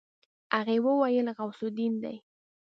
هغې وويل غوث الدين دی.